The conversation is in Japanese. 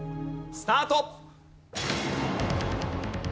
スタート！